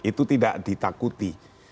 itu tidak ditakuti